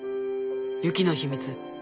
雪の秘密